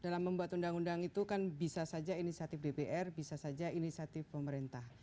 dalam membuat undang undang itu kan bisa saja inisiatif dpr bisa saja inisiatif pemerintah